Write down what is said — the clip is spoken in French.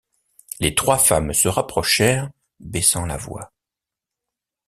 Les trois femmes se rapprochèrent, baissant la voix.